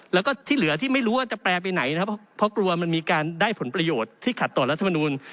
แล้วก็ที่เหลือที่ไม่รู้ว่าจะแปลไปไหนนะครับเพราะกลัวมันมีการได้ผลประโยชน์ที่ขัดต่อรัฐมนูล